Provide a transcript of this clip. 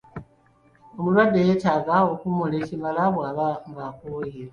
Omulwadde yeetaaga okuwummula ekimala bw’aba ng’akooye.